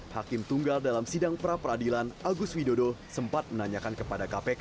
hakim tunggal dalam sidang pra peradilan agus widodo sempat menanyakan kepada kpk